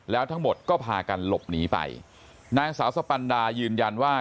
แล้วทั้งหมดก็พากันหลบหนีไปนางสาวสปันดายืนยันว่า